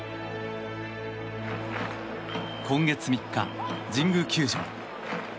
今月３日、神宮球場。